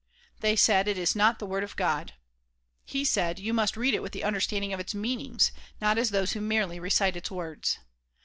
They said "It is not the Word of God." He said "You must read it with understanding of its meanings, not as those who merely recite its words."